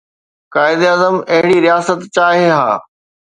قائداعظم اهڙي رياست چاهي ها.